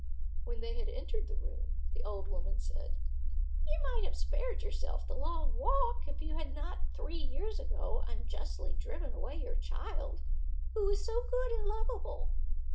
When they had entered the room, the old woman said, "You might have spared yourself the long walk, if you had not three years ago unjustly driven away your child, who is so good and lovable.